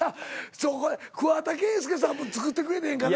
そうこれ桑田佳祐さんも作ってくれてんからな